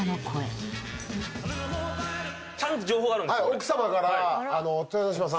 ちゃんと情報があるんですよ。